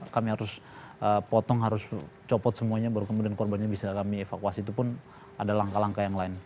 kami harus potong harus copot semuanya baru kemudian korbannya bisa kami evakuasi itu pun ada langkah langkah yang lain